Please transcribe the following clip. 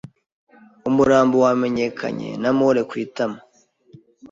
Umurambo wamenyekanye na mole ku itama.